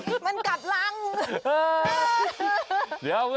เอ๊ยมันกัดแล้ว